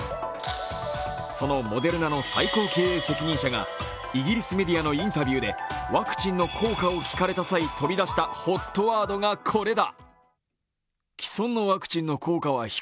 そのモデルナの最高経営責任者がイギリスメディアのインタビューでワクチンの校歌を聴かれた際、飛び出したＨＯＴワードがこれだ。